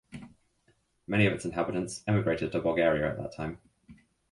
Many of its inhabitants emigrated to Bulgaria at that time.